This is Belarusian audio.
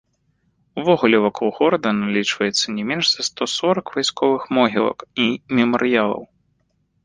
Увогуле вакол горада налічваецца не менш за сто сорак вайсковых могілак і мемарыялаў.